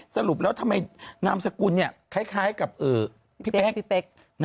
สรุปแล้วทำไมนามสกุลเนี่ยคล้ายกับพี่เป๊ก